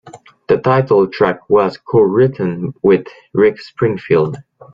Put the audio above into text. The title track was co-written with Rick Springfield.